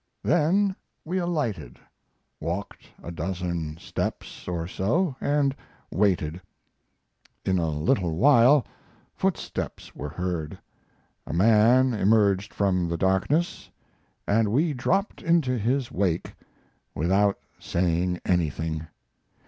Then we alighted, walked a dozen steps or so, and waited. In a little while footsteps were heard, a man emerged from the darkness, and we dropped into his wake without saying anything.